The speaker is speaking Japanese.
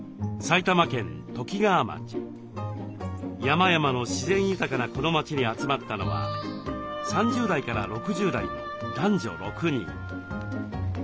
山々の自然豊かなこの町に集まったのは３０代から６０代の男女６人。